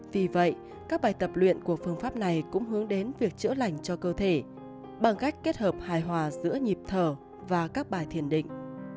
vì vậy các bài tập luyện của phương pháp này cũng hướng đến việc chữa lành cho cơ thể bằng cách kết hợp hài hòa giữa nhịp thở và các bài thiền định